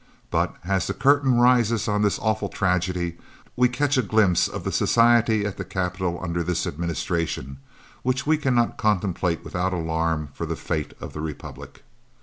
But as the curtain rises on this awful tragedy, we catch a glimpse of the society at the capital under this Administration, which we cannot contemplate without alarm for the fate of the Republic.